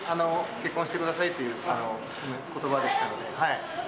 結婚してくださいということばでしたので。